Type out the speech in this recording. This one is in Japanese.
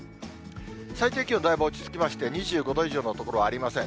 最低気温、だいぶ落ち着きまして、２５度以上の所ありません。